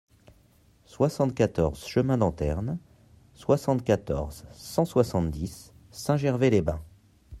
soixante-quatorze chemin d'Anterne, soixante-quatorze, cent soixante-dix, Saint-Gervais-les-Bains